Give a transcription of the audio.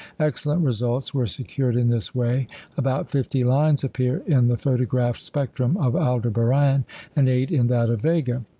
Excellent results were secured in this way. About fifty lines appear in the photographed spectrum of Aldebaran, and eight in that of Vega.